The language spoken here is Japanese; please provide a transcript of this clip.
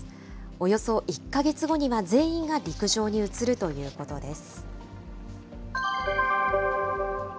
およそ１か月後には、全員が陸上に移るということです。